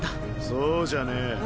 そうじゃねぇ。